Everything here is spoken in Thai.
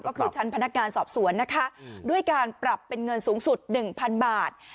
ก็คือชั้นพนักงานสอบสวนนะคะด้วยการปรับเป็นเงินสูงสุด๑๐๐๐บาท